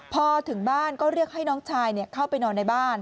พอถึงบ้านก็เรียกให้น้องชายเข้าไปนอนในบ้าน